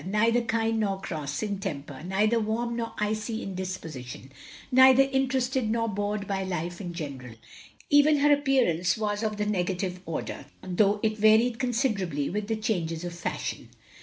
Neither kind nor cross, in temper; neither warm nor icy in disposition; neither interested nor bored by life in general. Even her appearance was of the negative order; OP GROSVENOR SQUARE 95 thotigh it varied considerably with the changes of fashion.